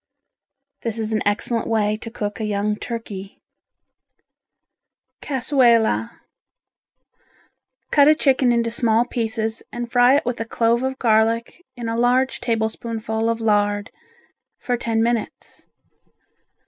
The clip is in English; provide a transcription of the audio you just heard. This is an excellent way to cook a young turkey. Casuela Cut a chicken into small pieces and fry it with a clove of garlic in a large tablespoonful of lard, for ten minutes.